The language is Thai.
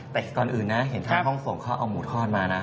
แต่ก่อนอื่นนะเห็นทางห้องส่งเขาเอาหมูทอดมานะ